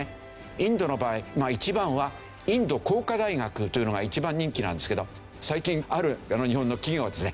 インドの場合一番はインド工科大学というのが一番人気なんですけど最近ある日本の企業がですね